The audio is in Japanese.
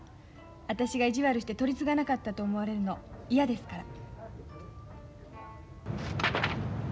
私が意地悪して取り次がなかったと思われるの嫌ですから。